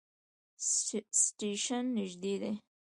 سټیشن نژدې دی